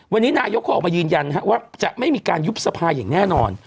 วันนี้นายกเขาออกมายืนยันว่าจะไม่มีการยุบสภาอย่างแน่นอน